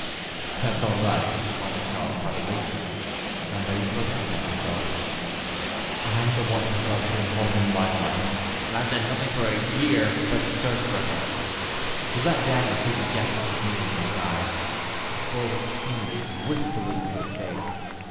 "That's all right," responded Charles heartily. "I'm ready to identify myself. I'm one who loves her better than my life, and I've done nothing for a year but search for her." He let Daniel see the depth of his meaning in his eyes, as the boy looked keenly, wistfully, into his face.